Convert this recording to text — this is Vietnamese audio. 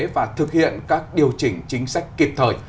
và thực hiện các điều chỉnh chính sách kịp thời